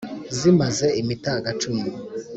zimaze imitaga cumi